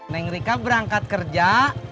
neng rika berangkat kerja